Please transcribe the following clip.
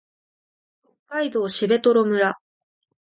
北海道蘂取村